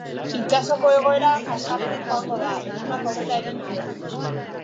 Itsasoko egoera kaskartzen joango da, egunak aurrera egin ahala.